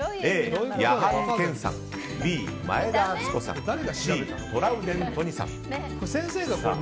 Ａ、矢作兼さんＢ、前田敦子さんＣ、トラウデン都仁さん。